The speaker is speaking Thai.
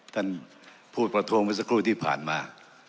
ท่านพูดประทวงไปที่ผ่านมา